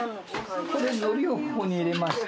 これ海苔をここに入れまして。